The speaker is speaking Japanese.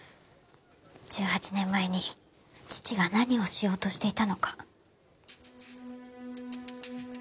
１８年前に父が何をしようとしていたのか。